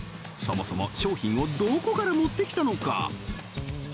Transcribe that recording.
そもそも商品をどこから持ってきたのか？